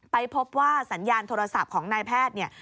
ไปพบว่าสัญญาณโทรศัพท์ของนายแพทย์เนี่ย